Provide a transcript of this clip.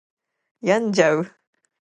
病んじゃう